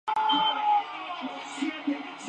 Una oferta que fue rechazada por el Portsmouth.